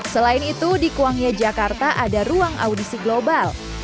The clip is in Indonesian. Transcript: selain itu di kuangya jakarta ada ruang audisi global